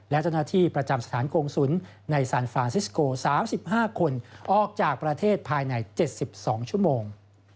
และเจ้าหน้าที่ประจำสถานกงศุลในซานฟรานซิสโก๓๕คนออกจากประเทศภายใน๗๒ชั่วโมง